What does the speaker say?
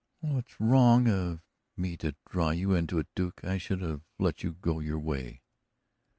"It was wrong of me to draw you into it, Duke; I should have let you go your way."